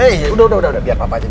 eh udah udah biar papa aja